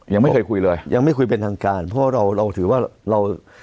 ยังไม่เคยคุยเลยยังไม่คุยเป็นทางการเพราะเราเราถือว่าเรา